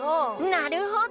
なるほど！